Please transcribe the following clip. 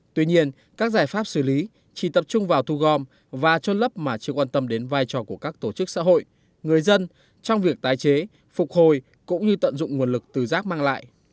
tuy nhiên các giải pháp xử lý chỉ tập trung vào thu gom và trôn lấp mà chưa quan tâm đến vai trò của các tổ chức xã hội người dân trong việc tái chế phục hồi cũng như tận dụng nguồn lực từ rác mang lại